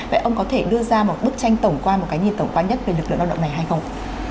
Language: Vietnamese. vậy ông có thể đưa ra một bức tranh tổng quan một cái nhìn tổng quan nhất về lực lượng lao động này hay không